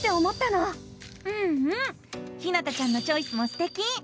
うんうんひなたちゃんのチョイスもすてき！